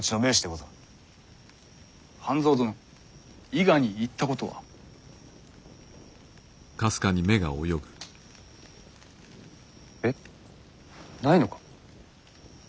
半蔵殿伊賀に行ったことは？えっないのか？